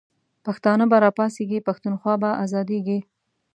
پښتانه به را پاڅیږی، پښتونخوا به آزادیږی